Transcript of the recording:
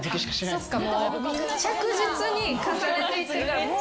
着実に重ねていってるから。